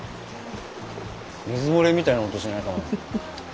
水漏れみたいな音しないかまど？